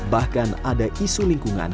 bahkan ada isu lingkungan